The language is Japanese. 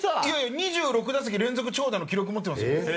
いやいや２６打席連続長打の記録持ってますよ